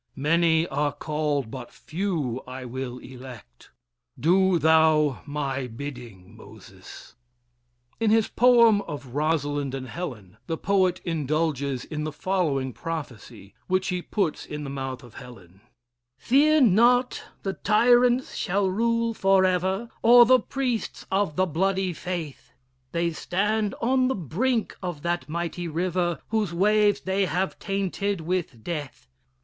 Many are called, but few I will elect. Do thou my bidding, Moses!" In his poem of "Rosalind and Helen," the poet indulges in the following prophecy, which he puts in the mouth of Helen: "Fear not the tyrants shall rule forever, Or the priests of the bloody faith; They stand on the brink of that mighty river, Whose waves they have tainted with death.